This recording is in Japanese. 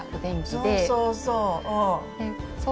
そうそうそう。